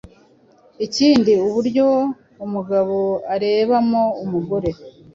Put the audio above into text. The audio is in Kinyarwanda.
Ikindi uburyo umugabo arebamo umugore